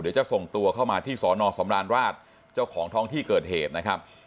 เดี๋ยวจะส่งตัวเข้ามาที่สอนอสำราญราชเจ้าของท้องที่เกิดเหตุนะครับ